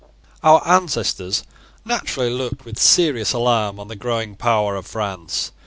Our ancestors naturally looked with serious alarm on the growing power of France.